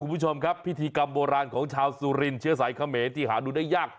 คุณผู้ชมครับพิธีกรรมโบราณของชาวสุรินเชื้อสายเขมรที่หาดูได้ยาก